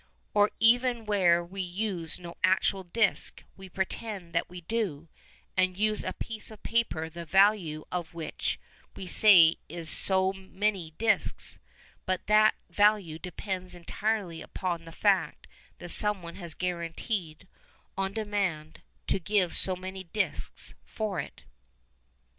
Or even where we use no actual disc, we pretend that we do, and use a piece of paper the value of which we say is so many discs, but that value depends entirely upon the fact that someone has guaranteed, on demand, to give so many discs for it.